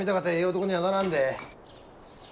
男にはならんで。